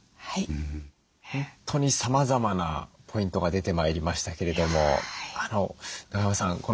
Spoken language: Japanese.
本当にさまざまなポイントが出てまいりましたけれども中山さん